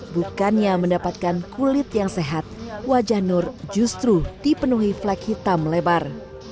bukannya mendapatkan kulit yang sehat wajah nur justru dipenuhi flag hitam lebar